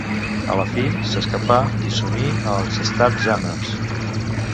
A la fi, s'escapà i s'uní als Starjammers.